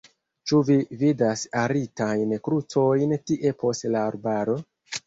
Ĉu vi vidas oritajn krucojn tie post la arbaro?